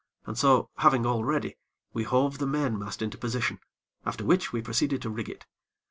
And so, having all ready, we hove the mainmast into position, after which we proceeded to rig it.